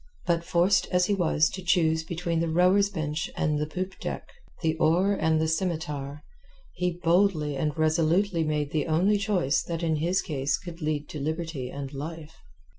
But forced as he was to choose between the rower's bench and the poop deck, the oar and the scimitar, he boldly and resolutely made the only choice that in his case could lead to liberty and life.